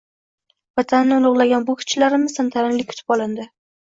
Vatanni ulug‘lagan bokschilarimiz tantanali kutib olinding